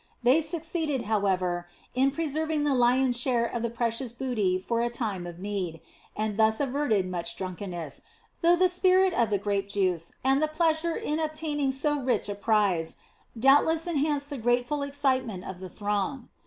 They succeeded, however, in preserving the lion's share of the precious booty for a time of need, and thus averted much drunkenness, though the spirit of the grape juice and the pleasure in obtaining so rich a prize doubtless enhanced the grateful excitement of the throng.